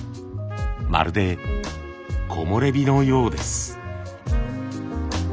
まるで木漏れ日のようです。